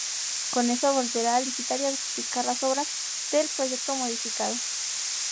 Con eso, volverá a licitar y adjudicar las obras del proyecto modificado.